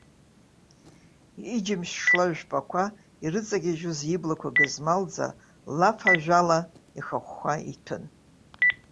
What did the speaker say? Иџьымшь шла жәпақәа ирыҵагьежьуаз иблақәа гызмалӡа лаф ажәала ихыхәхәа иҭәын.